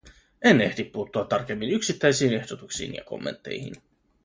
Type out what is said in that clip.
En ehdi puuttua tarkemmin yksittäisiin ehdotuksiin ja kommentteihin.